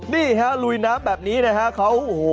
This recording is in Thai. นี่ลุยน้ำแบบนี้นะคะ